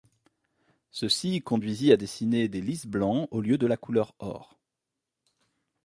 Ceci conduisit à dessiner des lys blancs au lieu de la couleur or.